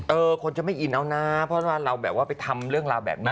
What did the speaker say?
คนจะไม่อินเอานะเพราะว่าเราแบบว่าไปทำเรื่องราวแบบนี้